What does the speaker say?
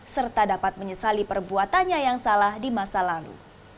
serta dapat menyesali perbuatannya yang salah di masa lalu